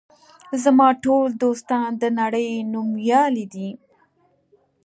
زما ټول دوستان د نړۍ نومیالي دي.